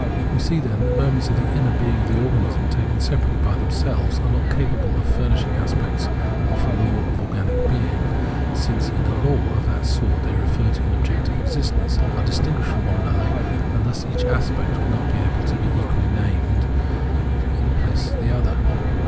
We see, then, that the moments of the " inner " being of the organism taken separately by themselves are not capable of furnishing aspects of a law of organic being, since in a law of that sort they refer to an objective existence, are distinguished from one another, and thus each aspect would not be able to be equaUy named in 266 Phenomenology of Mind place of the other.